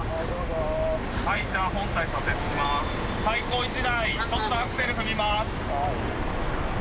対向１台ちょっとアクセル踏みます。